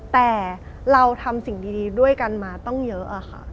แต่เราทำสิ่งดีด้วยกันมาต้องเยอะค่ะ